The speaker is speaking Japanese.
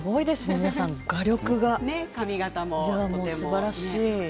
皆さん画力がすばらしいですね。